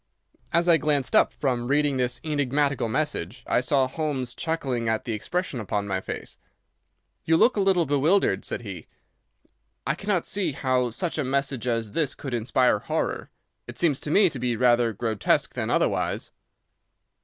As I glanced up from reading this enigmatical message, I saw Holmes chuckling at the expression upon my face. "You look a little bewildered," said he. "I cannot see how such a message as this could inspire horror. It seems to me to be rather grotesque than otherwise."